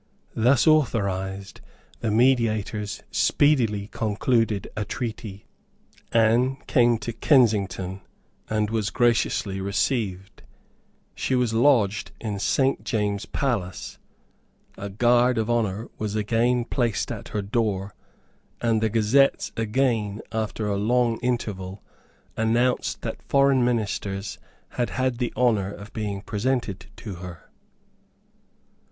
Thus authorised, the mediators speedily concluded a treaty. Anne came to Kensington, and was graciously received; she was lodged in Saint James's Palace; a guard of honour was again placed at her door; and the Gazettes again, after a long interval, announced that foreign ministers had had the honour of being presented to her.